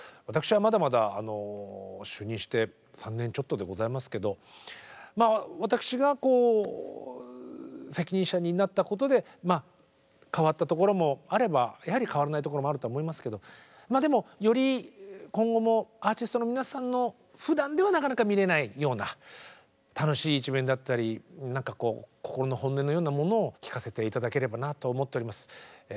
私はまだまだ就任して３年ちょっとでございますけどまあ私が責任者になったことで変わったところもあればやはり変わらないところもあるとは思いますけどまあでもより今後もアーティストの皆さんのふだんではなかなか見れないような楽しい一面だったり何かこう心の本音のようなものを聞かせて頂ければなと思っております。